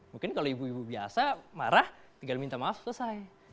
mungkin kalau ibu ibu biasa marah tinggal minta maaf selesai